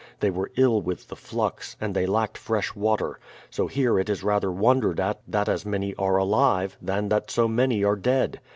They were ill with the flux, and they lacked fresh water ; so here it is rather wondered at that as many are alive, than that so many are dead.